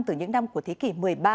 từ những năm của thế kỷ một mươi ba